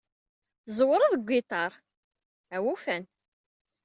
Tzewreḍ deg ugiṭar! Awufan!